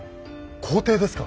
皇帝ですか。